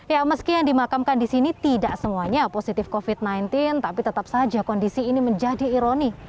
ya meski yang dimakamkan di sini tidak semuanya positif covid sembilan belas tapi tetap saja kondisi ini menjadi ironi